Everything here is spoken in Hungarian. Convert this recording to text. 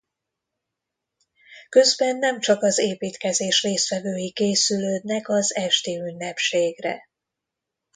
Közben nem csak az építkezés résztvevői készülődnek az esti ünnepségre.